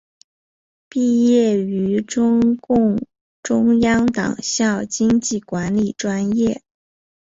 毕业于中共中央党校经济管理专业。